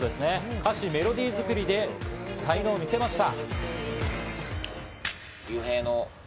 歌詞、メロディー作りで才能を見せました。